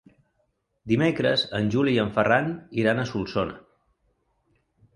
Dimecres en Juli i en Ferran iran a Solsona.